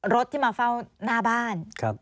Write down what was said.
รถที่มาเฝ้าหน้าบ้าน